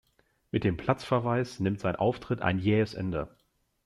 Mit dem Platzverweis nimmt sein Auftritt ein jähes Ende.